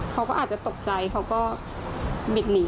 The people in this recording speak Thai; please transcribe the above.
เขาก็อาจจะตกใจเขาก็บิดหนี